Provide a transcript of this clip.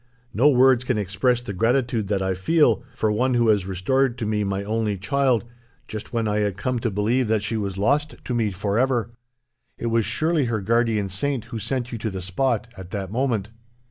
No words can express the gratitude that I feel, for one who has restored to me my only child, just when I had come to believe that she was lost to me forever. It was surely her guardian saint who sent you to the spot, at that moment."